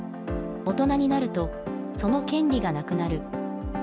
大人になるとその権利がなくなる。